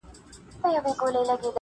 پوهنتون ته سوه کامیاب مکتب یې خلاص کئ,